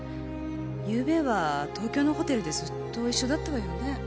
ゆうべは東京のホテルでずっと一緒だったわよね？